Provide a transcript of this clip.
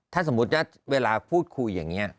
ถ้าสมมุติว่าเวลาพูดคุยอย่างนี้